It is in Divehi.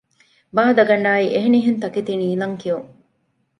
ބާދަގަނޑާއި އެހެނިހެން ތަކެތި ނީލަން ކިޔުން